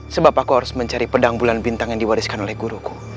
sebab aku harus mencari pedang bulan bintang yang diwariskan oleh guruku